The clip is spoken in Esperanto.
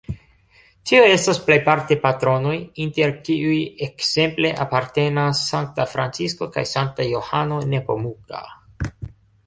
Tio estas plejparte patronoj, inter kiuj ekzemple apartenas sankta Francisko kaj sankta Johano Nepomuka.